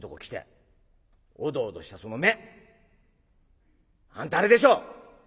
おどおどしたその目！あんたあれでしょ！